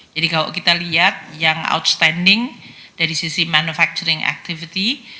jadi kalau kita lihat yang outstanding dari sisi manufacturing activity